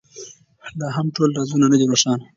لا هم ټول رازونه نه دي روښانه.